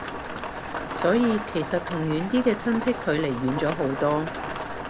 所以其實同遠啲嘅親戚距離遠咗好多